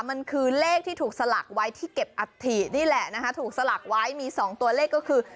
มันคือเลขที่ถูกสลักไว้ที่เก็บอัฐินี่แหละนะคะถูกสลักไว้มีสองตัวเลขก็คือ